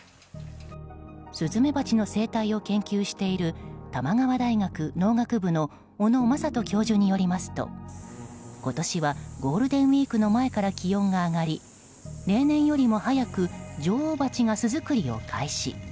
スズメバチの生態を研究している玉川大学農学部の小野正人教授によりますと今年はゴールデンウィークの前から気温が上がり例年よりも早く女王バチが巣作りを開始。